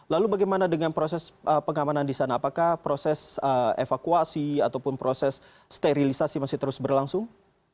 lalu bagaimana dengan proses pengamanan di sana apakah proses evakuasi ataupun proses sterilisasi masih terus berlangsung